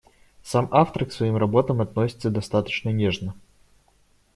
Сам автор к своим работам относится достаточно нежно.